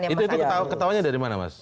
itu ketawanya dari mana mas